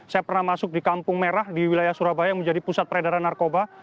saya pernah masuk di kampung merah di wilayah surabaya yang menjadi pusat peredaran narkoba